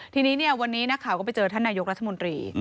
ทีนี้วันนี้นักข่าวก็ไปเจอท่านนายกรัฐมนตรี